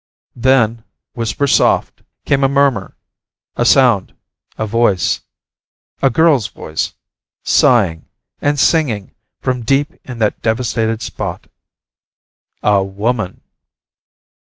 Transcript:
Then, whisper soft, came a murmur, a sound, a voice. A girl's voice, sighing and singing, from deep in that devastated spot. A woman!